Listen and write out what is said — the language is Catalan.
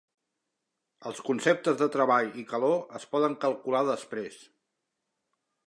Els conceptes de treball i calor es poden calcular després.